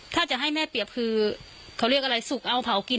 ถ้าจะให้แม่เปรียบคือเขาเรียกอะไรสุกเอาเผากิน